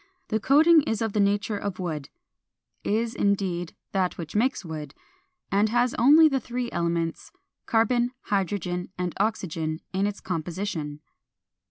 The coating is of the nature of wood (is, indeed, that which makes wood), and has only the three elements, Carbon, Hydrogen, and Oxygen, in its composition.